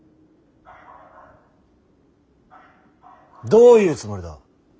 どういうつもりだ。